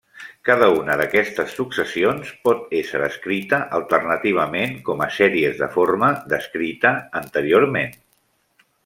Cada una d'aquestes successions pot ésser escrita alternativament com a sèries de forma descrita anteriorment.